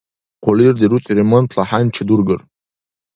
Хъулир дирути ремонтла хӀянчи дургар?